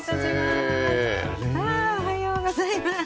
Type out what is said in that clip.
ああおはようございます。